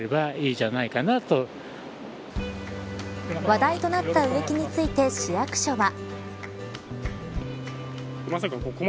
話題となった植木について市役所は。